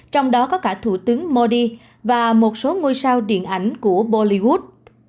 trong đó có cả thủ tướng modi và một số ngôi sao điện ảnh của bolivood